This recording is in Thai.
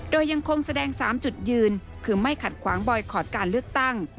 โดยยังคงแสดง๓จุดยืนคือไม่ขัดขวางบอยคอร์ดการเลือกตั้ง